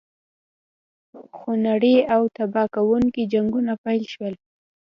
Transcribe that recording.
خونړي او تباه کوونکي جنګونه پیل شول.